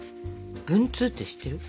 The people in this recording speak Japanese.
文通って知ってる？